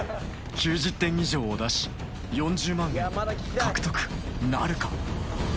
９０点以上を出し４０万円獲得なるか？